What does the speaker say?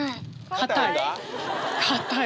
かたい？